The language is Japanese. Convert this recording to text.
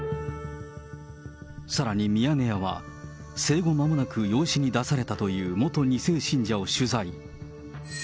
さらにミヤネ屋は、生後間もなく養子に出されたという元２世信者を取材。